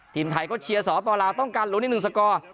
ทีมไทยก็เชียร์ศรศักดิ์ธิ์ฮพลาวต้องการลงนิดหนึ่งสกอร์